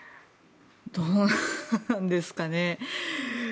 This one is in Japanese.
どうなんですかね。